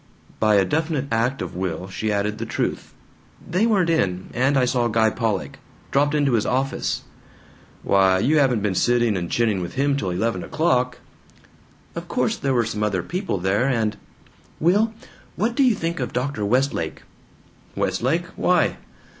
By a definite act of will she added the truth: "They weren't in. And I saw Guy Pollock. Dropped into his office." "Why, you haven't been sitting and chinning with him till eleven o'clock?" "Of course there were some other people there and Will! What do you think of Dr. Westlake?" "Westlake? Why?"